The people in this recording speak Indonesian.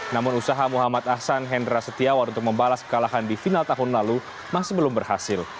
namun usaha muhammad ahsan hendra setiawan untuk membalas kekalahan di final tahun lalu masih belum berhasil